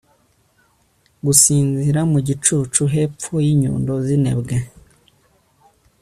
Gusinzira mu gicucu hepfo yinyundo zinebwe